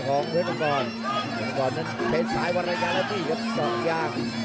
ของเพศพ่อนครับต่างสายวรรยาแล้วก็มีแค่ที่สองอย่าง